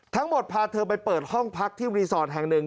พาเธอไปเปิดห้องพักที่รีสอร์ทแห่งหนึ่ง